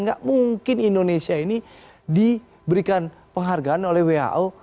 nggak mungkin indonesia ini diberikan penghargaan oleh who